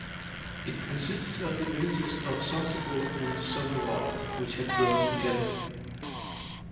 It consists of the villages of Sonceboz and Sombeval which have grown together.